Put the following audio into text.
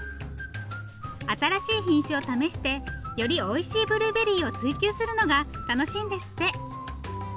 新しい品種を試してよりおいしいブルーベリーを追究するのが楽しいんですって！